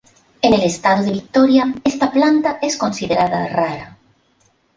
En el estado de Victoria, esta planta es considerada rara.